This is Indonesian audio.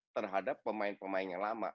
terhadap pemain pemain yang lama